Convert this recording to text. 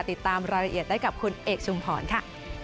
ติดตามรายละเอียดได้กับคุณเอกชุมพรค่ะ